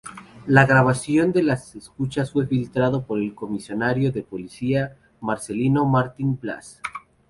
La grabación de las escuchas fue filtrada por el comisario de policía Marcelino Martín-Blas.